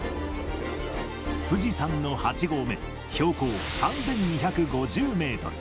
富士山の８合目、標高３２５０メートル。